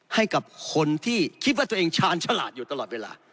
ให้กับคนที่คิดว่าตัวเองชาญฉลาดอยู่ตลอดเวลา